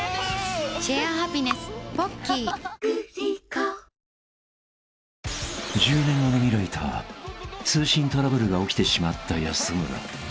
花王［１０年後の未来と通信トラブルが起きてしまった安村］